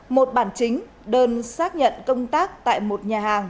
một bản chính đơn xác nhận công tác tại một nhà hàng